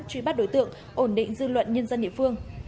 truy bắt đối tượng ổn định dư luận nhân dân địa phương